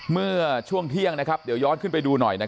เมื่อช่วงเที่ยงนะครับเดี๋ยวย้อนขึ้นไปดูหน่อยนะครับ